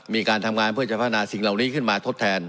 มีการทำงานเพื่อจะพัฒนาสิ่งเหล่านี้ขึ้นมาทดแทน